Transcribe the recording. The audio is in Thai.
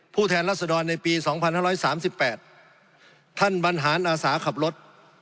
แทนรัศดรในปี๒๕๓๘ท่านบรรหารอาสาขับรถ